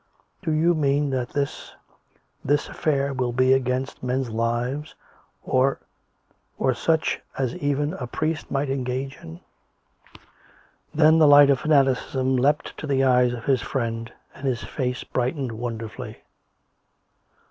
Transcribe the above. " Do you mean that this ... this affair will be against men's lives ... or ... or such as even a priest might engage in?" Then the light of fanaticism leaped to the eyes of his friend, and his face brightened wonderfully.